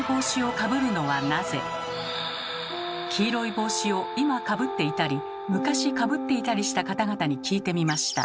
黄色い帽子を今かぶっていたり昔かぶっていたりした方々に聞いてみました。